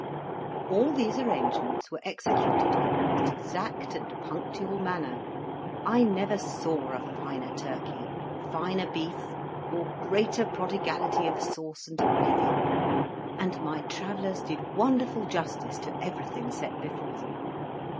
All these arrangements were executed in the most exact and punctual manner. I never saw a finer turkey, finer beef, or greater prodigality of sauce and gravy; and my Travellers did wonderful justice to everything set before them.